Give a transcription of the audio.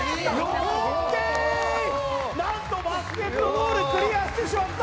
なんとバスケットゴール、クリアしてしまった。